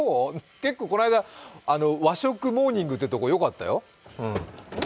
結構この間、和食モーニングってとこ、よかったよ。